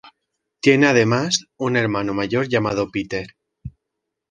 Tiene además un hermano mayor llamado Peter.